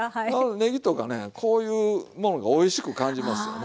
ねぎとかねこういうものがおいしく感じますよね。